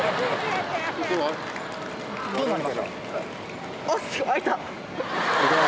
どうなりました？